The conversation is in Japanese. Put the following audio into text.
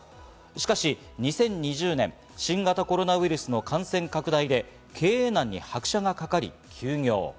しかし２０２０年、新型コロナウイルスの感染拡大で経営難に拍車がかかり休業。